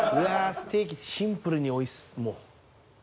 ステーキシンプルに美味しそう。